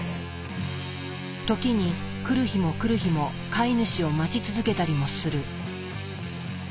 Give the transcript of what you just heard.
時に来る日も来る日も飼い主を待ち続けたりもする。